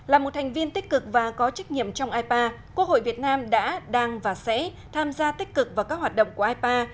là một thành viên tích cực và có trách nhiệm trong ipa quốc hội việt nam đã đang và sẽ tham gia tích cực vào các hoạt động của ipa